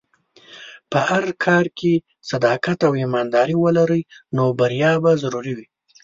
که په هر کار کې صداقت او ایمانداري ولرې، نو بریا به ضرور وي.